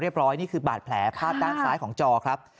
ร้อยนี่คือบาดแผลภาพด้านซ้ายของจอครับ